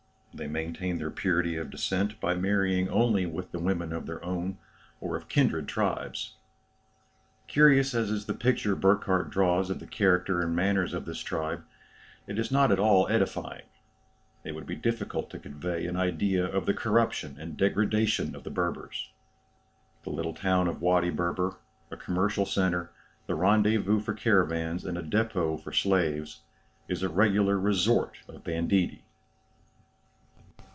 They maintain their purity of descent by marrying only with the women of their own or of kindred tribes. Curious as is the picture Burckhardt draws of the character and manners of this tribe, it is not at all edifying. It would be difficult to convey an idea of the corruption and degradation of the Berbers. The little town of Wady Berber, a commercial centre, the rendezvous for caravans, and a depôt for slaves, is a regular resort of banditti.